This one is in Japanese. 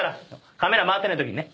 カメラ回ってないときにね。